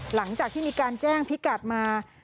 หลังจากที่มีการแจ้งพิกัดมา